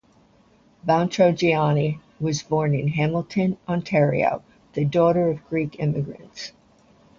Bountrogianni was born in Hamilton, Ontario, the daughter of Greek immigrants.